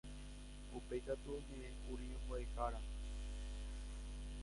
Upéikatu oñe'ẽkuri mbo'ehára.